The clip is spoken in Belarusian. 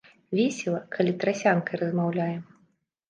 Весела, калі трасянкай размаўляем.